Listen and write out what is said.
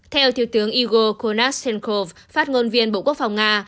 theo thiếu tướng igo konashenkov phát ngôn viên bộ quốc phòng nga